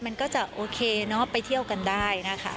มันก็จะโอเคเนอะไปเที่ยวกันได้นะคะ